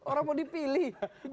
orang mau dipilih